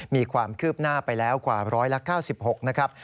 มีความคืบหน้าไปแล้วกว่า๑๙๖นะครับ